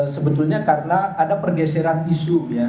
sebetulnya karena ada pergeseran isu ya